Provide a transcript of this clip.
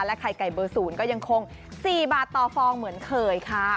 ไข่ไก่เบอร์๐ก็ยังคง๔บาทต่อฟองเหมือนเคยค่ะ